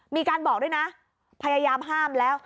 มีการบอกด้วยนะพยายามห้ามแล้ว